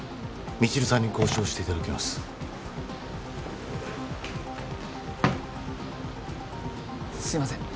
未知留さんに交渉していただきますすいません